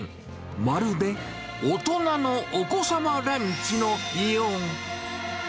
まるで大人のお子様ランチのよう。